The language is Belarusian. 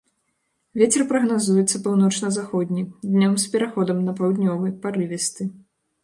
Вецер прагназуецца паўночна-заходні, днём з пераходам на паўднёвы, парывісты.